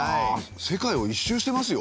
世界を１周してますよ。